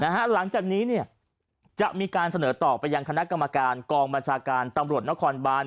หลังจากนี้จะมีการเสนอต่อไปยังคณะกรรมการกองบัญชาการตำรวจนครบาน